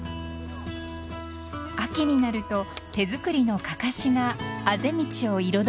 ［秋になると手作りのかかしがあぜ道を彩ります］